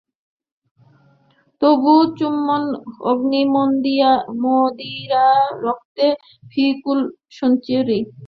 তব চুম্বন-অগ্নি-মদিরা রক্তে ফিরুক সঞ্চরি।